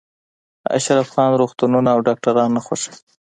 اشرف خان روغتونونه او ډاکټران نه خوښوي